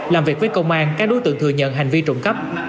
làm việc với công an các đối tượng thừa nhận hành vi trộm cắp